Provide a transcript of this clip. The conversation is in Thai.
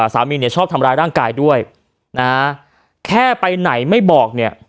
สามีเนี่ยชอบทำร้ายร่างกายด้วยนะฮะแค่ไปไหนไม่บอกเนี่ย